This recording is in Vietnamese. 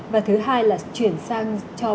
và thứ hai là chuyển sang cho